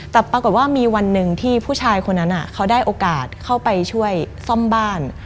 แต่ปรากฏว่ามีวันหนึ่งที่ผู้ชายคนนั้นเขาได้โอกาสเข้าไปช่วยซ่อมบ้าน